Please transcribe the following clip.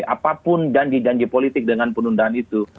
apapun janji janji politik dengan penundaan itu